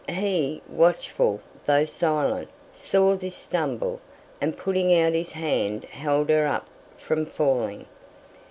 He, watchful though silent, saw this stumble, and putting out his hand held her up from falling.